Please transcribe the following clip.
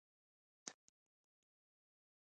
نه هوش لري نه دانش او نه نام و ننګ.